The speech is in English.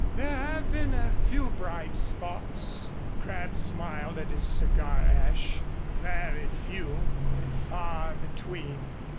There have been a few bright spots" Crabb smiled at his cigar ash "a very few, and far between."